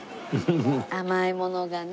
甘いものがね。